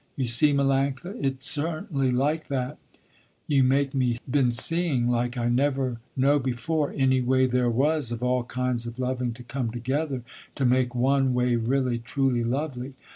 You see, Melanctha, it's certainly like that you make me been seeing, like I never know before any way there was of all kinds of loving to come together to make one way really truly lovely.